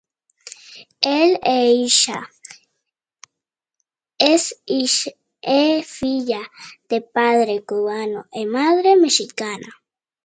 Es hija de padre cubano y madre mexicana.